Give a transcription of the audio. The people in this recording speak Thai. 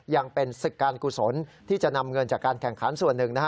ยังเป็นศึกการกุศลที่จะนำเงินจากการแข่งขันส่วนหนึ่งนะฮะ